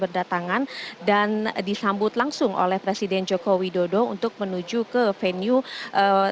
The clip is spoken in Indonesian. dan disambut langsung oleh presiden joko widodo untuk menuju ke venue